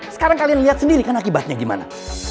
sekarang kalian lihat sendiri kan akibatnya gimana